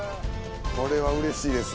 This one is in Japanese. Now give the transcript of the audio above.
これはうれしいです。